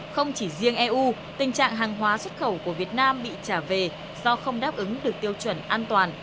không chỉ riêng eu tình trạng hàng hóa xuất khẩu của việt nam bị trả về do không đáp ứng được tiêu chuẩn an toàn